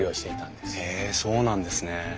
へえそうなんですね。